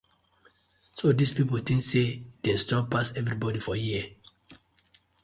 So dis pipu tink say dem strong pass everibodi for here.